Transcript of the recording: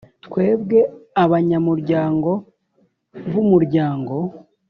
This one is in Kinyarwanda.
Twebwe abanyamuryango b Umuryango